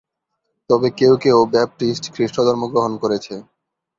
তবে কেউ কেউ ব্যাপ্টিস্ট খ্রিস্টধর্ম গ্রহণ করেছে।